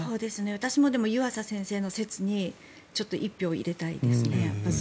私も湯浅先生の説に１票入れたいですね。